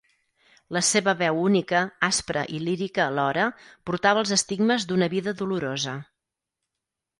La seva veu única, aspra i lírica alhora, portava els estigmes d'una vida dolorosa.